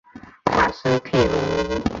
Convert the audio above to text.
卡斯泰龙。